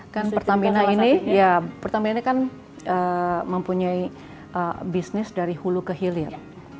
kan pertamina ini ya pertamina kan mempunyai bisnis dari hulu ke hilir